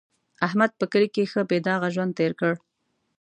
احمد په کلي کې ښه بې داغه ژوند تېر کړ.